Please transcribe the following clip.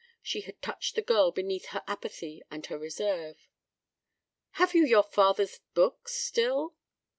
She had touched the girl beneath her apathy and her reserve. "Have you your father's books—still?"